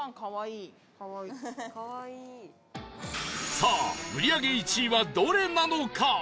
さあ売り上げ１位はどれなのか？